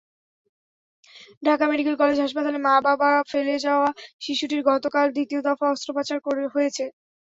Dhaka medical college হাসপাতালে মা-বাবার ফেলে যাওয়া শিশুটির গতকাল দ্বিতীয় দফা অস্ত্রোপচার হয়েছে।